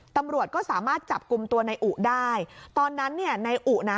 ตำรวจก็สามารถจับกลุ่มตัวในอุได้ตอนนั้นเนี่ยนายอุนะ